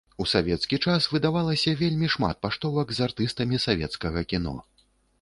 У савецкі час выдавалася вельмі шмат паштовак з артыстамі савецкага кіно.